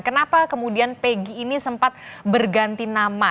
kenapa kemudian pegi ini sempat berganti nama